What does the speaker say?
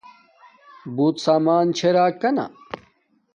بوت سمان چھے راکانا